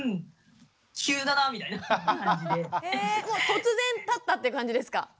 もう突然立ったって感じですか？